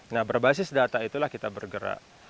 nah berbasis data itulah kita bergerak